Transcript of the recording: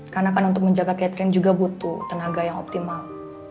karena untuk menjaga catherine juga butuh tenaga yang optimal